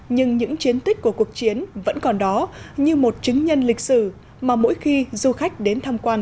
nhưng những chiến tích của cuộc chiến vẫn còn đó như một chứng nhân lịch sử mà mỗi khi du khách đến tham quan